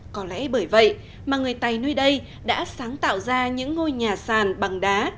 có lẽ bởi vậy mà người tài nơi đây đã sáng tạo ra những ngôi nhà sàn bằng đá